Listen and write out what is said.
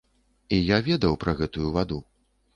І я ведаў пра гэтую ваду.